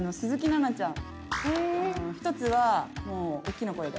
１つはもうおっきな声で。